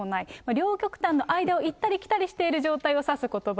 両極端な間を行ったり来たりしている状態を指すことば。